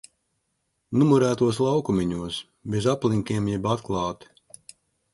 Numurētajos laukumiņos. Bez aplinkiem jeb atklāti.